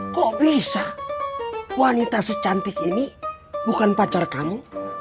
kok bisa wanita secantik ini bukan pacar kamu